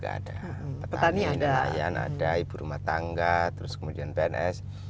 ada petani ada ibu rumah tangga terus kemudian pns